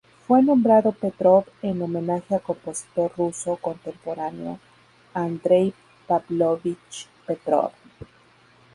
Fue nombrado Petrov en homenaje al compositor ruso contemporáneo Andrey Pavlovich Petrov.